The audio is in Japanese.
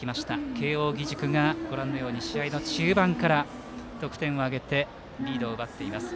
慶応義塾が試合の中盤から得点を挙げてリードを奪っています。